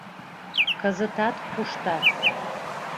Кызытат куштат.